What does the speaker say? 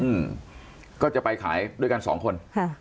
อืมก็จะไปขายด้วยกัน๒คน